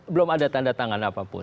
belum ada tanda tangan apapun